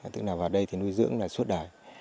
tức là vào đây thì nuôi dưỡng là suốt đời